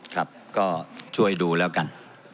ครับก็ช่วยดูแล้วกัน